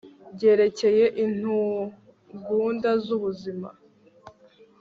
byerekeye intugunda z ubuzima